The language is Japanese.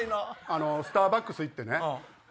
スターバックス行ってね。